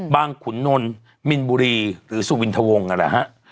ขุนนลมินบุรีหรือสุวินทวงนั่นแหละฮะ